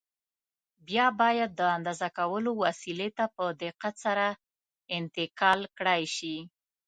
بیا باید د اندازه کولو وسیلې ته په دقت سره انتقال کړای شي.